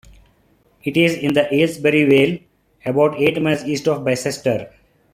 It is in the Aylesbury Vale, about eight miles east of Bicester.